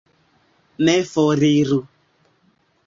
Ne foriru.